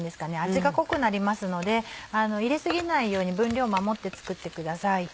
味が濃くなりますので入れ過ぎないように分量守って作ってください。